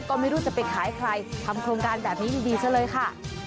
ก็ไม่รู้จะไปขายใครทำโครงการแบบนี้ดีซะเลยค่ะ